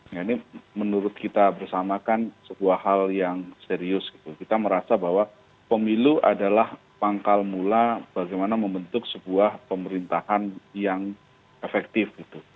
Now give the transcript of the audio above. nah ini menurut kita bersama kan sebuah hal yang serius gitu kita merasa bahwa pemilu adalah pangkal mula bagaimana membentuk sebuah pemerintahan yang efektif gitu